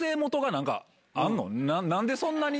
何でそんなに？